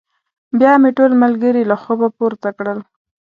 بيا مې ټول ملګري له خوبه پورته کړل.